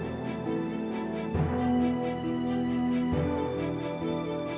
kevin gak akan pernah jadi milik kamu asma